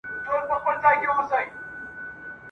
ځوان به ویښ وو هغه آش هغه کاسه وه ..